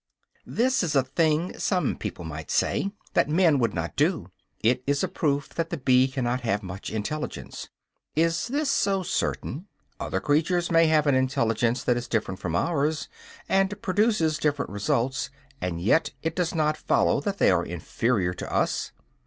This is a thing, some people might say, that men would not do; it is a proof that the bee cannot have much intelligence. Is this so certain? Other creatures may have an intelligence that is different from ours, and produces different results; and yet it does not follow that they are inferior to us.